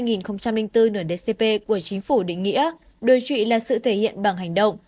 nghị định một trăm bảy mươi tám hai nghìn bốn dcp của chính phủ định nghĩa đối trụy là sự thể hiện bằng hành động